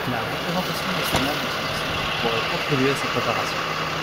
La représentation nationale dans son ensemble pourrait contribuer à sa préparation.